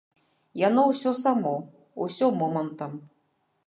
Яно ўсё само, усё момантам.